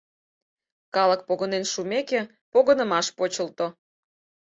Калык погынен шумеке, погынымаш почылто.